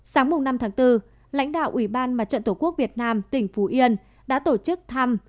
sáng năm tháng bốn lãnh đạo ủy ban mặt trận tổ quốc việt nam tỉnh phú yên đã tổ chức thăm